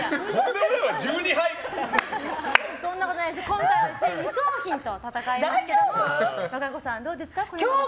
今回は２商品と戦いますけども和歌子さん、どうですか？